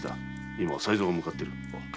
今才三が向かっている。